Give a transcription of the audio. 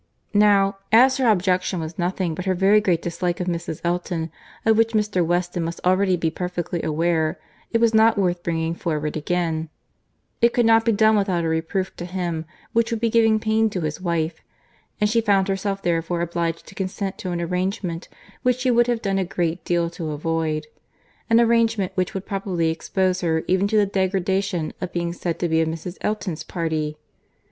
Now, as her objection was nothing but her very great dislike of Mrs. Elton, of which Mr. Weston must already be perfectly aware, it was not worth bringing forward again:—it could not be done without a reproof to him, which would be giving pain to his wife; and she found herself therefore obliged to consent to an arrangement which she would have done a great deal to avoid; an arrangement which would probably expose her even to the degradation of being said to be of Mrs. Elton's party!